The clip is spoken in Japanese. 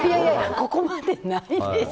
ここまでないです。